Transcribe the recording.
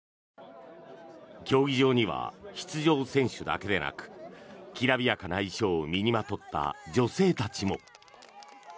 競技場には出場選手だけでなくきらびやかな衣装を身にまとった女性たちも。